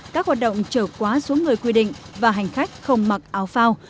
các hoạt động trở quá số người quy định và hành khách không mặc áo phao